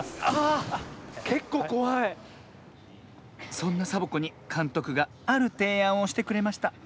そんなサボ子にかんとくがあるていあんをしてくれました